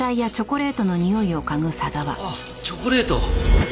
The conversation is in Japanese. あっチョコレート！